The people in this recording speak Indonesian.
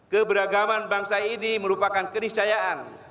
keberagaman bangsa ini merupakan keniscayaan